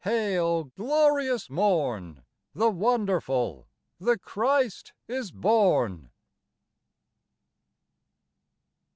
Hail glorious morn! The Wonderful, the Christ is born!